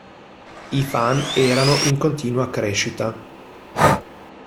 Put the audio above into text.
I fan erano in continua crescita.